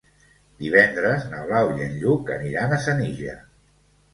Divendres na Blau i en Lluc aniran a Senija.